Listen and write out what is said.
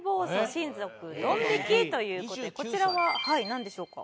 親族ドン引き」という事でこちらはなんでしょうか？